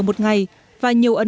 công ty in báo nhân dân đà nẵng